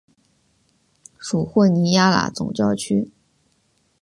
属霍尼亚拉总教区。